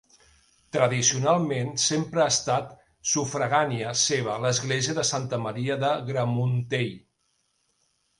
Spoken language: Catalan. Tradicionalment sempre ha estat sufragània seva l'església de Santa Maria de Gramuntell.